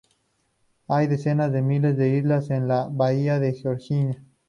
Hay decenas de miles de islas en la bahía de Georgia.